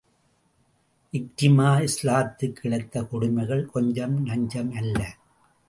இக்ரிமா, இஸ்லாத்துக்கு இழைத்த கொடுமைகள் கொஞ்ச நஞ்சம் அல்ல.